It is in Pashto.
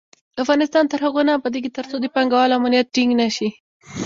افغانستان تر هغو نه ابادیږي، ترڅو د پانګه والو امنیت ټینګ نشي.